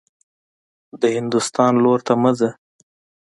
د هندوستان لور ته مه ځه.